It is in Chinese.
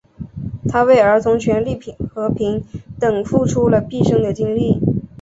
他为儿童权利和平等付出了毕生的精力。